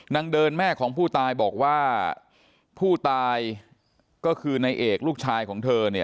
นางเดินแม่ของผู้ตายบอกว่าผู้ตายก็คือนายเอกลูกชายของเธอ